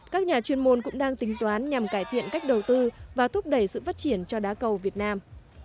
các nhà chuyên môn cũng đang tính toán nhằm cải thiện cách đầu tư và thúc đẩy sự phát triển cho đá cầu việt nam